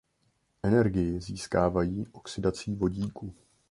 Energii získávají oxidací vodíku.